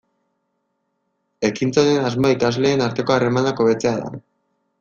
Ekintza honen asmoa ikasleen arteko harremanak hobetzea da.